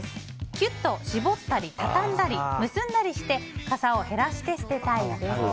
きゅっと絞ったり畳んだり結んだりしてかさを減らして捨てたいです。